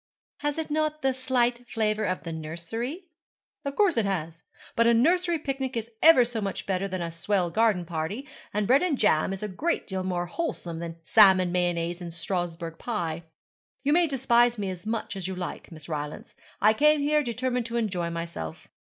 'Has it not a slight flavour of the nursery?' 'Of course it has. But a nursery picnic is ever so much better than a swell garden party, and bread and jam is a great deal more wholesome than salmon mayonaise and Strasbourg pie. You may despise me as much as you like, Miss Rylance. I came here determined to enjoy myself.'